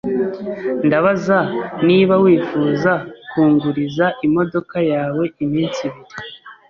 Ndabaza niba wifuza kunguriza imodoka yawe iminsi ibiri.